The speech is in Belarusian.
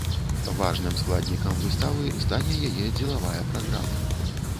Важным складнікам выставы стане яе дзелавая праграма.